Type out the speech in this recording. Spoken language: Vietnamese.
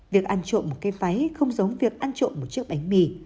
việc ăn trộm một cây váy không giống việc ăn trộm một chiếc bánh mì